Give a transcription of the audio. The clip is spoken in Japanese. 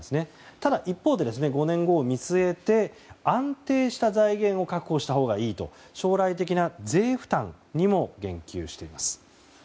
ただ、一方で５年後を見据えて安定した財源を確保したほうがいいと将来的な税負担にも言及しています。